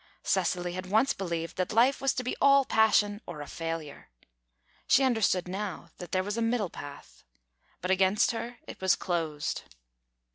Cecily had once believed that life was to be all passion, or a failure. She understood now that there was a middle path. But against her it was closed.